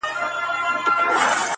چاویل مور یې بي بي پلار یې اوزبک دی-